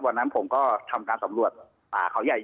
วันนั้นผมก็ทำการสำรวจเขาใหญ่